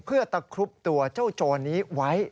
เพื่อตะครุบตัวเจ้าโจรนี้ไว้